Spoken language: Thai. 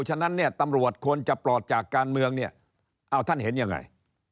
ฉะนั้นเนี่ยตำรวจควรจะปลอดจากการเมืองเนี่ยเอาท่านเห็นยังไง